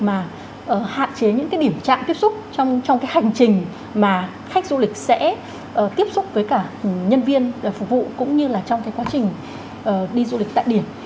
mà hạn chế những cái điểm chạm tiếp xúc trong cái hành trình mà khách du lịch sẽ tiếp xúc với cả nhân viên phục vụ cũng như là trong cái quá trình đi du lịch tại điểm